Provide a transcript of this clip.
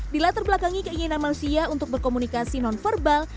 di latar belakangi keinginan manusia untuk berkomunikasi non verbal